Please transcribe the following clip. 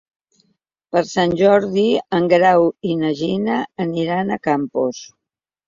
Per Sant Jordi en Grau i na Gina aniran a Campos.